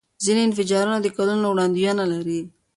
ځینې انفجارونه د کلونو وړاندوینه لري.